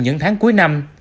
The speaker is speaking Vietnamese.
những tháng cuối năm